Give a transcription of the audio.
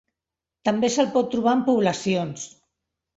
També se'l pot trobar en poblacions.